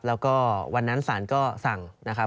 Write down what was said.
แล้วก็วันนั้นศาลก็สั่งนะครับ